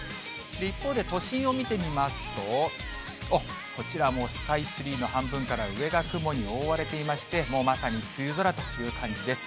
一方で都心を見てみますと、おっ、こちらはもうスカイツリーの半分から上が雲に覆われていまして、もうまさに梅雨空という感じです。